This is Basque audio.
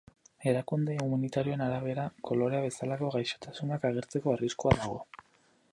Erakunde humanitarioen arabera, kolera bezalako gaixotasunak agertzeko arriskua dago.